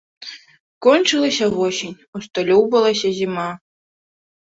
Кончылася восень, усталёўвалася зіма.